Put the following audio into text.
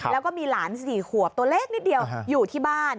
แล้วก็มีหลาน๔ขวบตัวเล็กนิดเดียวอยู่ที่บ้าน